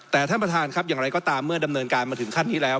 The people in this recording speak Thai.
แต่ท่านประธานครับอย่างไรก็ตามเมื่อดำเนินการมาถึงขั้นนี้แล้ว